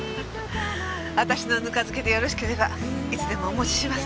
私のぬか漬けでよろしければいつでもお持ちします。